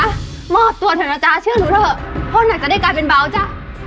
มอบตัวเถอะนะจ๊ะเชื่อหนูเถอะพ่อหนักจะได้กลายเป็นเบาจ้ะ